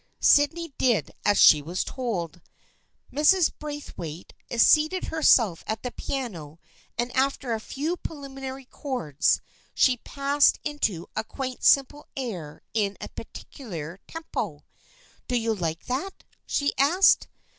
Sydney did as she was told. Mrs. Braithwaite seated herself at the piano and after a few prelimi nary chords she passed into a quaint simple air in a peculiar tempo. " Do you like that? " she asked.